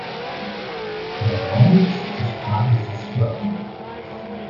The larynx is part of the throat.